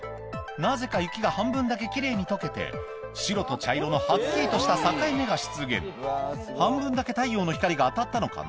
なぜか雪が半分だけ奇麗に解けて白と茶色のはっきりとした境目が出現半分だけ太陽の光が当たったのかな？